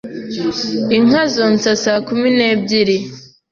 Inka zonsa saa kumi n'ebyiri.